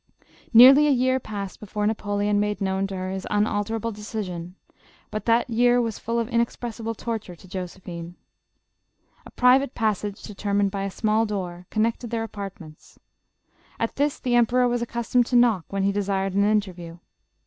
Nearly a year passed before Napoleon made known to her his unalterable decision, but that year was full of inexpressible torture to Josephine. A private pas sage, terminated by a small door, connected their apart ments. At this, the emperor was accustomed to knock when he desired an interview.